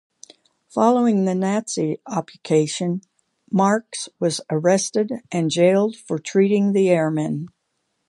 Following the Nazi occupation, Marx was arrested and jailed for treating the airmen.